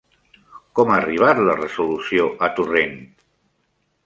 Com ha arribat la resolució a Torrent?